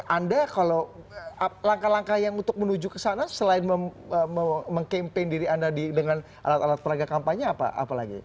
anda kalau langkah langkah yang untuk menuju ke sana selain mengkampen diri anda dengan alat alat peraga kampanye apa lagi